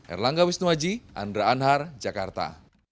erlangga wisnuwaji andra anhar jakarta